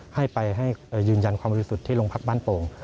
ให้ไปให้ยืนยันความรู้สึกที่ลงพักบ้านโป่ง